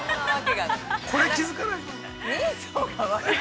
◆これ、気づかない？